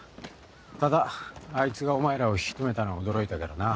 ただあいつがお前らを引き留めたのは驚いたけどな。